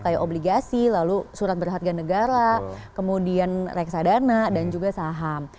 kayak obligasi lalu surat berharga negara kemudian reksadana dan juga saham